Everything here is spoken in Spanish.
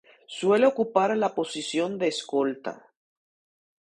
Suele ocupar la posición de escolta.